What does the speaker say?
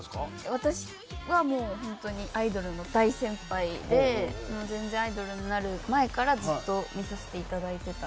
私はもう本当にアイドルの大先輩でもう全然アイドルになる前からずっと見させていただいてた。